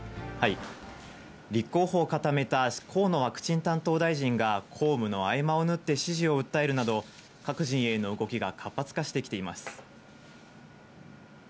立候補を固めた河野ワクチン担当大臣が、公務の合間を縫って支持を訴えるなど、各陣営の動きが活発化してきています。